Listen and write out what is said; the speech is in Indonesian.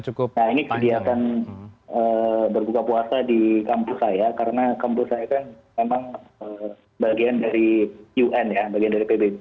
nah ini kegiatan berbuka puasa di kampus saya karena kampus saya kan memang bagian dari un ya bagian dari pbb